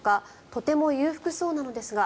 とても裕福そうなのですが。